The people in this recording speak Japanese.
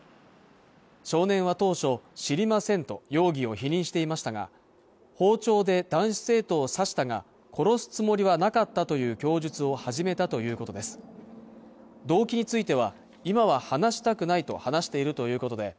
少年は当初知りませんと容疑を否認していましたが包丁で男子生徒を刺したが殺すつもりはなかったという供述を始めたということです